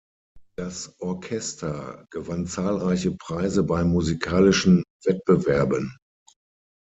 Das Orchester gewann zahlreiche Preise bei musikalischen Wettbewerben.